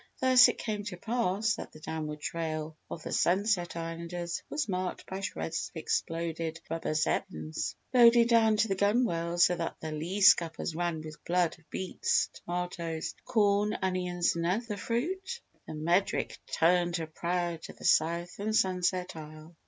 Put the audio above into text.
Thus it came to pass that the downward trail of the Sunset Islanders was marked by shreds of exploded rubber "Zeppelins." Loaded down to the gunwales so that the "lee scuppers ran with blood" of beets, tomatoes, corn, onions and other fruit (?) the Medric turned her prow to the south and Sunset Isle.